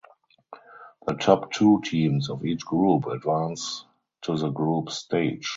The top two teams of each group advance to the group stage.